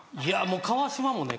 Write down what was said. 川島もね